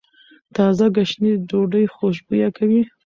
تازه ګشنیز ډوډۍ خوشبويه کوي.